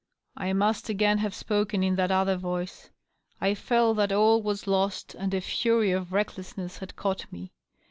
I must again have spoken in that other voice. I ^It that all was lost^ and a fury of recklessness had caught me.